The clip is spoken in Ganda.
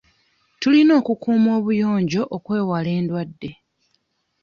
Tulina okukuuma obuyonjo okwewala endwadde.